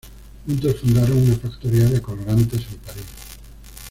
Juntos fundaron una factoría de colorantes en París.